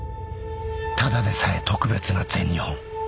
ただでさえ特別な全日本。